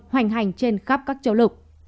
hoành hành trên khắp các châu lục